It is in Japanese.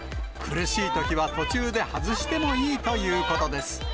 苦しいときは途中で外してもいいということです。